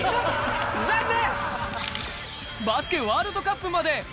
残念！